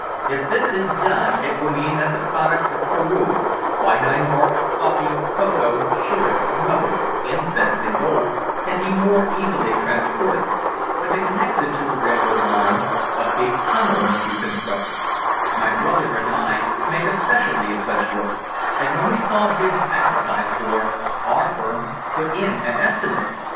If this is done it will mean that the products of Peru quinine bark, coffee, cocoa, sugar, rubber, incense and gold can more easily be transported. But to connect the two railroad lines a big tunnel must be constructed. "My brother and I make a specialty of such work, and when we saw bids advertised for, our firm put in an estimate.